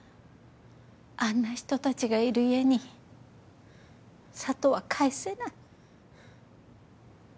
あんな人たちがいる家に佐都は帰せない。